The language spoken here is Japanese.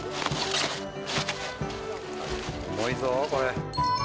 重いぞこれ。